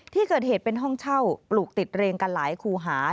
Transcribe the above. ที่เกิดเหตุเป็นห้องเช่าปลูกติดเรียงกันหลายคู่หา